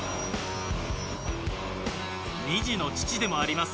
２児の父でもあります